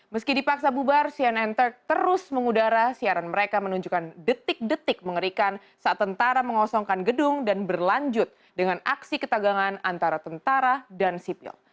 meski dipaksa bubar cnn turk terus mengudara siaran mereka menunjukkan detik detik mengerikan saat tentara mengosongkan gedung dan berlanjut dengan aksi ketagangan antara tentara dan sipil